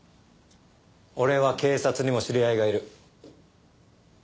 俺は警察にも知り合いがいる。